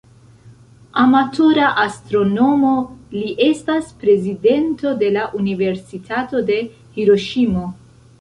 Amatora astronomo, li estas prezidento de la Universitato de Hiroŝimo.